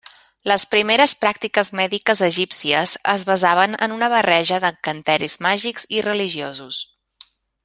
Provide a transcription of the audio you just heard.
Les primeres pràctiques mèdiques egípcies es basaven en una barreja d'encanteris màgics i religiosos.